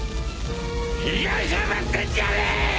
被害者ぶってんじゃねえ！！